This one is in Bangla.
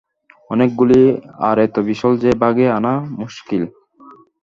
অনেকগুলি, আর এত বিশাল যে বাগে আনা মুস্কিল।